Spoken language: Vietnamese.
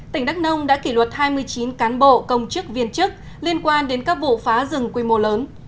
tỉnh đắk nông đã kỷ luật hai mươi chín cán bộ công chức viên chức liên quan đến các vụ phá rừng quy mô lớn